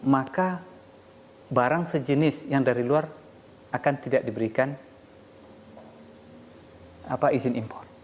maka barang sejenis yang dari luar akan tidak diberikan izin impor